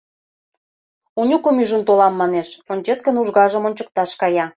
Онюкым ӱжын толам, манеш, ончет гын, ужгажым ончыкташ кая.